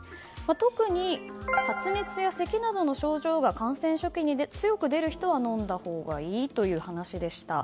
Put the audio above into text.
特に発熱やせきなどの症状が感染初期に強く出る人は飲んだほうがいいという話でした。